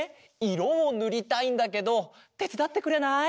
いろをぬりたいんだけどてつだってくれない？